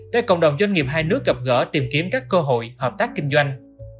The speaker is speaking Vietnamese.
để cộng đồng doanh nghiệp hai nước gặp gỡ tìm kiếm các cơ hội hợp tác kinh doanh